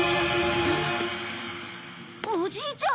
おじいちゃん！